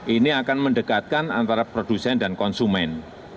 ini akan mendekatkan antara produsen dan konsumen